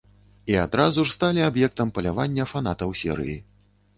І адразу ж сталі аб'ектам палявання фанатаў серыі.